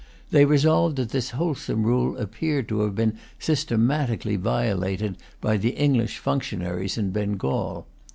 They resolved that this wholesome rule appeared to have been systematically violated by the English functionaries in Bengal.